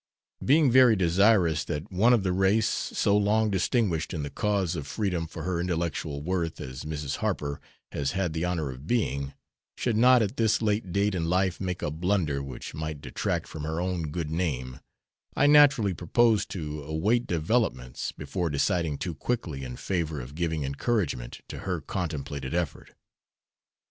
Being very desirous that one of the race, so long distinguished in the cause of freedom for her intellectual worth as Mrs. Harper has had the honor of being, should not at this late date in life make a blunder which might detract from her own good name, I naturally proposed to await developments before deciding too quickly in favor of giving encouragement to her contemplated effort.